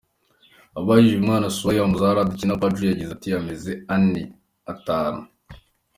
Abajijwe umwanya Souare azomara adakina, Pardew yagize ati: "Amezi ane, atanu.